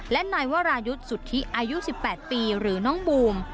และนายวรายุทธิอายุสิบแปดปีหรือน้องบูม